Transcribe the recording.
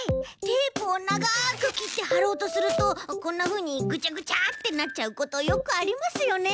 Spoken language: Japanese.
テープをながくきってはろうとするとこんなふうにぐちゃぐちゃってなっちゃうことよくありますよね。